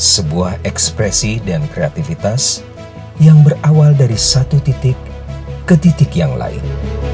sebuah ekspresi dan kreativitas yang berawal dari satu titik ke titik yang lain